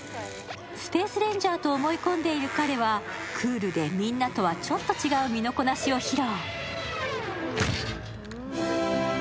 スペースレンジャーと思い込んでいる彼はクールでみんなとはちょっと違う身のこなしを披露。